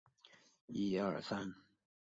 出生在肯塔基州。